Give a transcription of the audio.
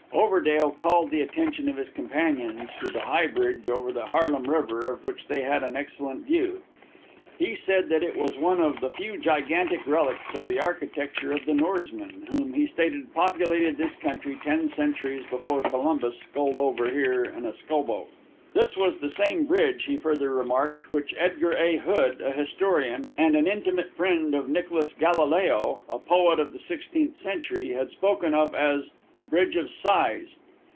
Overdale called the attention of his companions to the High Bridge over the Harlem river, of which they had an excellent view. He said that it was one of the few gigantic relics of the architecture of the Norsemen, whom he stated populated this country ten centuries before Columbus sculled over here in a scow boat. This was the same bridge, he further remarked, which Edgar A. Hood, a historian, and an intimate friend of Nicholas Galileo, a poet of the sixteenth century, had spoken of as "bridge of size."